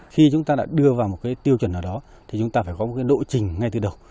khi chúng ta đã đưa vào một cái tiêu chuẩn nào đó thì chúng ta phải có một cái độ trình ngay từ đầu